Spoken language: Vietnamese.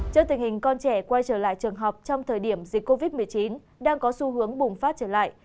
trước tình hình con trẻ quay trở lại trường học trong thời điểm dịch covid một mươi chín đang có xu hướng bùng phát trở lại